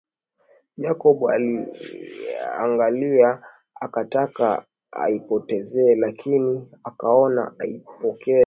Jacob aliiangalia akataka aipotezee lakini akaona aipokee